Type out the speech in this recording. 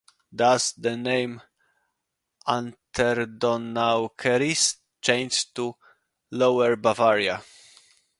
Thus the name Unterdonaukreis changed to Lower Bavaria.